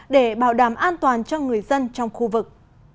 để bảo đảm an toàn cho người dân trong khu vực